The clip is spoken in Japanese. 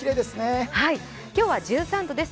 今日は１３度です